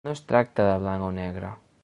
No es tracta de blanc o negre.